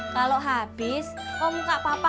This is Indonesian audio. kalau habis kau mau kasih apa